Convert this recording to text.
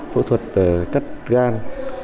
phẫu thuật cắt gan